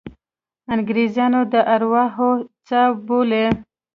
انګریزان یې د ارواحو څاه بولي.